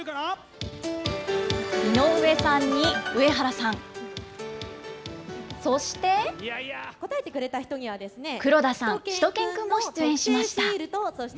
井上さんに上原さん、そして、黒田さん、しゅと犬くんも出演しました。